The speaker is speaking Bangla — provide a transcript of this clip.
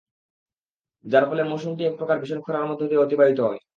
যার ফলে মৌসুমটি এক প্রকার ভীষণ খরার মধ্য দিয়ে অতিবাহিত হয়।